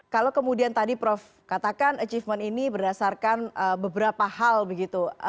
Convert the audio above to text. kalau kemudian tadi prof katakan achievement ini berdasarkan beberapa hal begitu